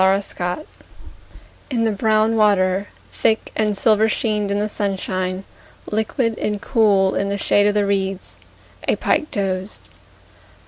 The Pike In the brown water, Thick and silver sheened in the sunshine, Liquid and cool in the shade of the reeds, A pike dozed.